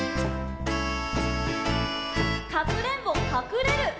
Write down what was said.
「かくれんぼかくれる」